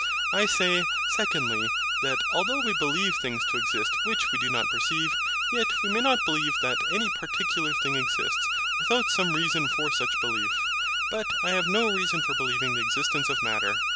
I say, secondly, that, although we believe things to exist which we do not perceive, yet we may not believe that any particular thing exists, without some reason for such belief: but I have no reason for believing the existence of Matter.